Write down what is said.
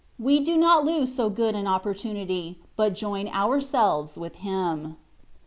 we do not lose so good an opportunity^ but join ourselves witli Him.